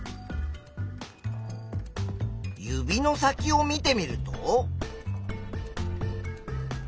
指の先を見てみると。